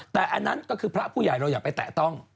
แต่อันนั้นก็คือพระผู้ใหญ่เราอย่าไปแตะต้อง